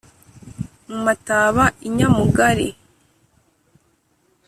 mu ma t aba i ny amugari